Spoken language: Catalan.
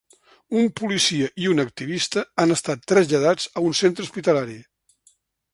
Un policia i un activista han estat traslladats a un centre hospitalari.